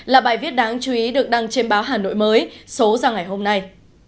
là bài viết đáng chú ý được đăng trên báo hà nội mới số ra ngày hôm nay